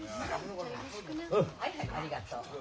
はいはいありがとう。